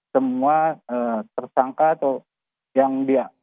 semua tersangka atau yang dia